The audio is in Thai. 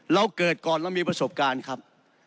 เราเกิดก่อนเรามีประสบการณ์ครับ